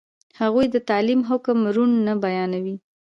هغوی د تعلیم حکم روڼ نه بیانولو.